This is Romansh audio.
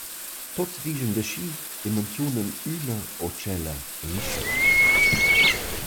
Tuots dischan da schi e manzunan üna o tschella emischiun.